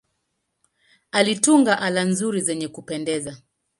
Alitunga ala nzuri zenye kupendeza.